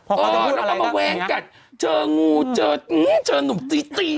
พอเขาจะพูดอะไรก็แวงกัดเจองูเจออืมเจอหนุ่มตี้ตี้